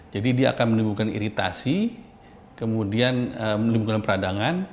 jadi dia akan menimbulkan iritasi kemudian menimbulkan peradangan